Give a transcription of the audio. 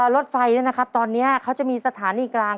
รถไฟตอนนี้เขาจะมีสถานีกลาง